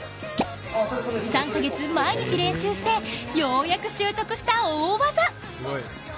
３カ月、毎日練習してようやく習得した大技！